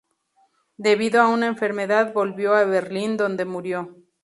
Debido a una enfermedad volvió a Berlín donde murió.